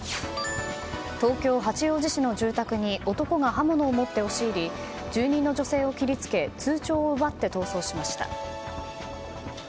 東京・八王子市の住宅に男が刃物を持って押し入り住人の女性を切りつけ通帳を奪って逃走しました。